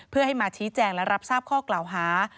เพื่อให้มาชี้แจงและรับทราบข้อกล่าวหา